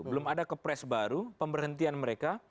belum ada kepres baru pemberhentian mereka